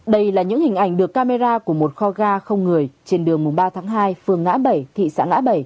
đây là những hình ảnh được camera của một kho ga không người trên đường ba tháng hai phường ngã bảy thị xã ngã bảy